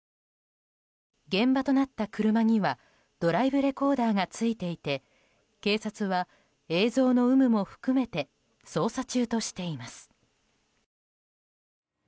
現場となった車にはドライブレコーダーがついていて警察は、映像の有無も含めて捜査中としています。